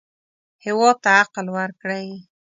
هېواد ته عقل ورکړئ